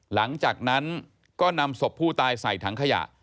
หลังจากนั้นก็นำศพผู้ตายใส่ถังขยะ